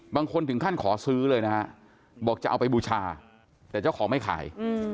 บางคนถึงขั้นขอซื้อเลยนะฮะบอกจะเอาไปบูชาแต่เจ้าของไม่ขาย